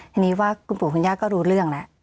ทีนี้ว่าคุณปู่คุณย่าก็รู้เรื่องแล้ว